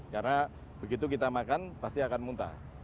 karena begitu kita makan pasti akan muntah